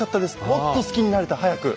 もっと好きになれた早く。